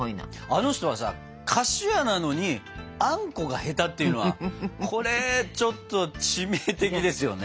あの人はさ菓子屋なのにあんこが下手っていうのはこれちょっと致命的ですよね。